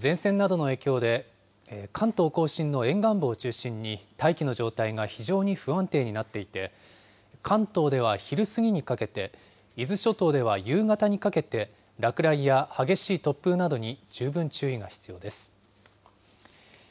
前線などの影響で関東甲信の沿岸部を中心に、大気の状態が非常に不安定になっていて、関東では昼過ぎにかけて、伊豆諸島では夕方にかけて、落雷や激しい突風などに十分注意が必要です。